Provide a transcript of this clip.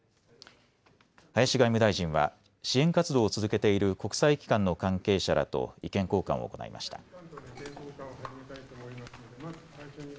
林外務大臣は支援活動を続けている国際機関の関係者らと意見交換を行いました。